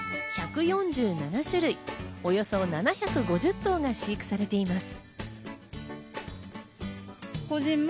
１４７種類、およそ７５０頭が飼育されています。